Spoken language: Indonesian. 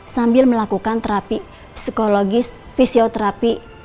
sambil melakukan terapi psikologis fisioterapi